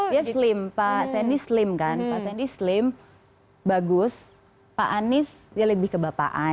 dia slim pak sandy slim kan pak sandy slim bagus pak anies dia lebih kebapaan